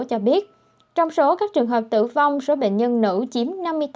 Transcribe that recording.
cho biết trong số các trường hợp tử vong số bệnh nhân nữ chiếm năm mươi tám